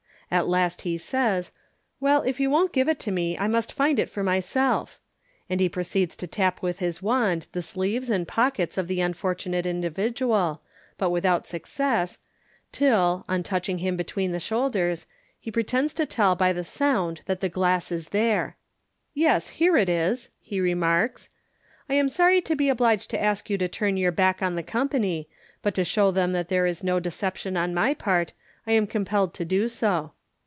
At last he says, rt Well, if you won't give it to me, I must find it for myself," and he proceeds to tap with his wand the sleeves and pockets of the unfortunate indi vidual, but without success, till, on touching him between the shoulders, he pretends to tell by the sound that the glass is there. " Yes, here it is,*' he remarks. u I am sorry to be obliged to ask you to turn your back on the company, but to show them that there is no deception on my part, I am compelled to do so.